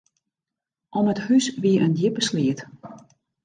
Om it hús wie in djippe sleat.